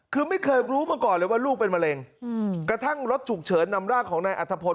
คือไม่เคยรู้มาก่อนเลยว่าลูกเป็นมะเร็งกระทั่งรถฉุกเฉินนำร่างของนายอัฐพล